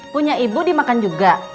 punya ibu dimakan juga